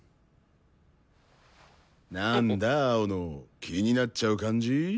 なんだ青野気になっちゃう感じ？